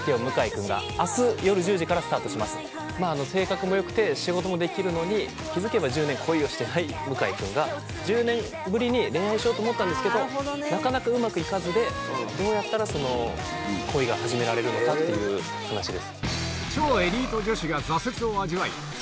性格もよくて仕事もできるのに気づけば１０年恋をしてない向井くんが１０年ぶりに恋愛しようと思ったんですけどなかなかうまくいかずでどうやったら恋が始められるのかという話です。